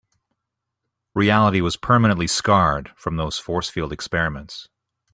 Reality was permanently scarred from those force field experiments.